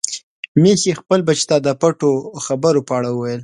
ميښې خپل بچي ته د پټو خبرو په اړه ویل.